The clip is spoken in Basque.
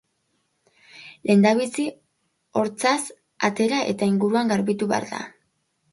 Lehendabizi, hortzak atera eta ingurua garbitu behar da.